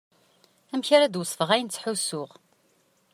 Amek ara am-d-wesfeɣ ayen ttḥussuɣ.